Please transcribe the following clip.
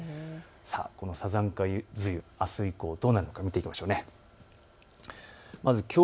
このサザンカ梅雨、あす以降、どうなるか見ていきましょう。